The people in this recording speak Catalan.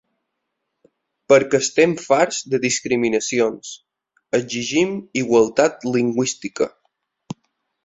Perquè estem farts de discriminacions: exigim igualtat lingüística.